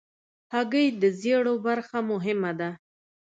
هګۍ د ژیړو برخه مهمه ده.